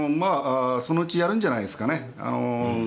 そのうちやるんじゃないですかね。